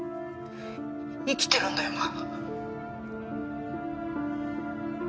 生きてるんだよな